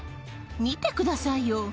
見てくださいよ。